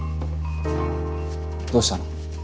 どうしたの？